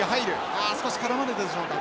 ああ少し絡まれてるでしょうか。